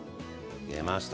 出ました。